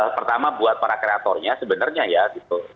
pertama buat para kreatornya sebenarnya ya gitu